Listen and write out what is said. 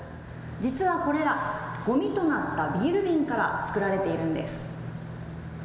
実はこれら、ごみとなったビール瓶から作られているんです。